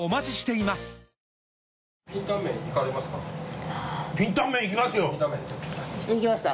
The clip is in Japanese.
いきますか？